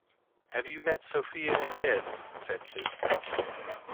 Have you met Sophia and Ed? said Sue.